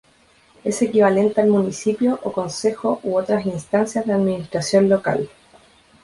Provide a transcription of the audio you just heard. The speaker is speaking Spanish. Es equivalente al municipio o concejo u otras instancias de administración local.